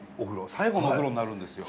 最後のお風呂になるんですよ。